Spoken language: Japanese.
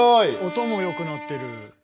音も良くなってる。